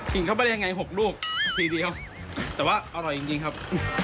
กินเข้าไปที่ไหน๖ลูกทีเดียวแต่ว่าอร่อยจริงครับ